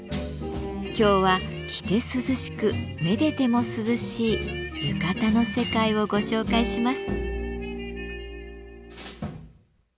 今日は着て涼しくめでても涼しい浴衣の世界をご紹介します。